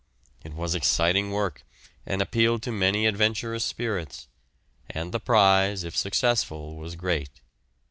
It was exciting work, and appealed to many adventurous spirits, and the prize if successful was great.